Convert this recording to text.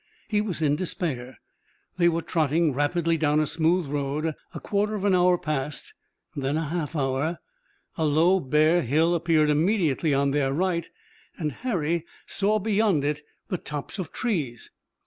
He was in despair. They were trotting rapidly down a smooth road. A quarter of an hour passed and then a half hour. A low bare hill appeared immediately on their right, and Harry saw beyond it the tops of trees.